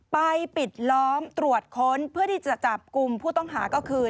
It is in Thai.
ปิดล้อมตรวจค้นเพื่อที่จะจับกลุ่มผู้ต้องหาก็คือ